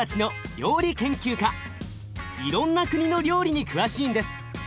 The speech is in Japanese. いろんな国の料理に詳しいんです。